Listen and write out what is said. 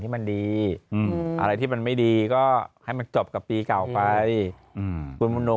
ที่มันดีอืมอะไรที่มันไม่ดีก็ให้มันจบกับปีเก่าไปอืม